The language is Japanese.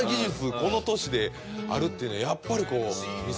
この年であるっていうのはやっぱりこう。